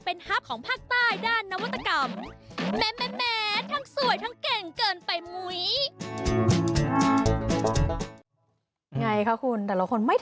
เป็นฮับของภาคใต้ด้านนวัตกรรม